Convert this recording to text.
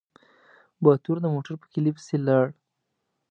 باتور د موټر په کيلي پسې لاړ.